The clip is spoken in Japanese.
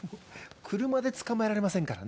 車で捕まえられませんからね。